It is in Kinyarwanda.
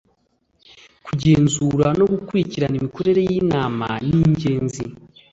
kugenzura no gukurikirana imikorere y inama ningenzi